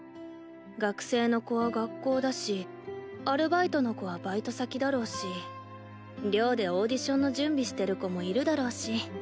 学生の子は学校だしアルバイトの子はバイト先だろうし寮でオーディションの準備してる子もいるだろうし。